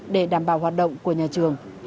để đảm bảo hoạt động của nhà trường